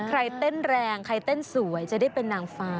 เต้นแรงใครเต้นสวยจะได้เป็นนางฟ้า